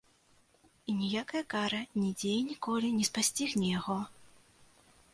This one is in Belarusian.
І ніякая кара нідзе і ніколі не спасцігне яго.